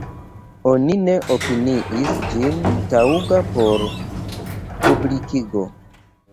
Oni ne opiniis ĝin taŭga por publikigo.